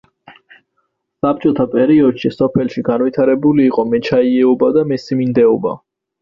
საბჭოთა პერიოდში სოფელში განვითარებული იყო მეჩაიეობა და მესიმინდეობა.